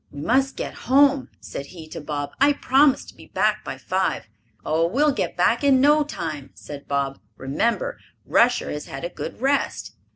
"We must get home," said he to Bob. "I promised to be back by five." "Oh, we'll get back in no time," said Bob. "Remember, Rusher has had a good rest."